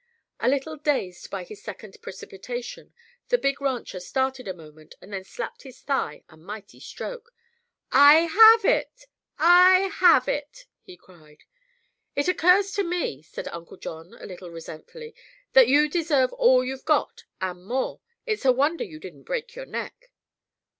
A little dazed by his second precipitation, the big rancher stared a moment and then slapped his thigh a mighty stroke. "I have it—I have it!" he cried. "It occurs to me," said Uncle John, a little resentfully, "that you deserve all you've got, and more. It's a wonder you didn't break your neck."